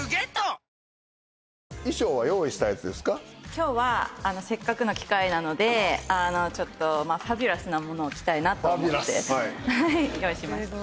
今日はせっかくの機会なのでちょっとファビュラスなものを着たいなと思って用意しました